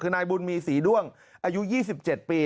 คือนายบุญมีศรีด้วงอายุ๒๗ปี